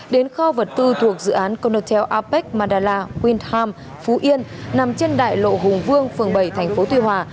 đến kho vật tư thuộc dự án conotel apec madala windham phú yên nằm trên đại lộ hùng vương phường bảy tp tuy hòa